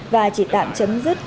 và chỉ tạm chấm dứt